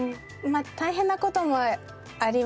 まあ大変な事もありますね。